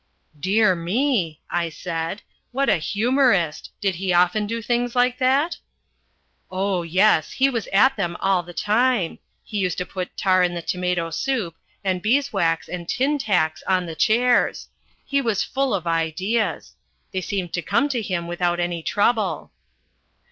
"Dear me!" I said. "What a humorist! Did he often do things like that?" "Oh, yes, he was at them all the time. He used to put tar in the tomato soup, and beeswax and tin tacks on the chairs. He was full of ideas. They seemed to come to him without any trouble."